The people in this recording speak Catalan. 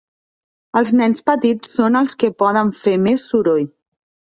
Els nens petits són els que poden fer més soroll.